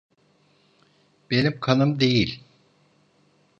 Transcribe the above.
Benim kanım değil.